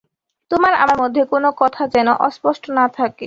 তোমার আমার মধ্যে কোনো কথা যেন অস্পষ্ট না থাকে।